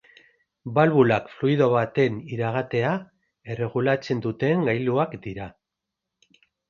Balbulak fluido baten iragatea erregulatzen duten gailuak dira.